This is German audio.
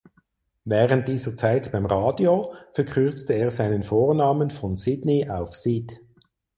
Während dieser Zeit beim Radio verkürzte er seinen Vornamen von "Sidney" auf "Cid".